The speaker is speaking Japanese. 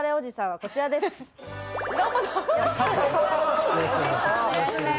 よろしくお願いします。